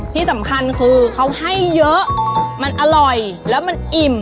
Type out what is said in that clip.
ที่สำคัญคือเขาให้เยอะมันอร่อยแล้วมันอิ่ม